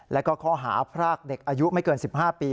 แล้วก็ข้อหาพรากเด็กอายุไม่เกิน๑๕ปี